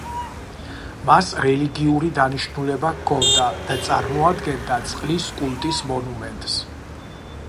მას რელიგიური, დანიშნულება ჰქონდა და წარმოადგენდა წყლის კულტის მონუმენტს.